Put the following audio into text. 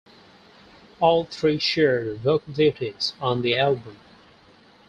All three shared vocal duties on the album.